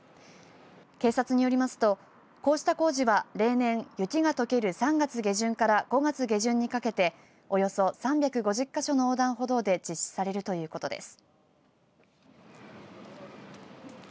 警察によりますとこうした工事は例年、雪がとける３月下旬から５月下旬にかけておよそ３５０か所の横断歩道で実施されるということです。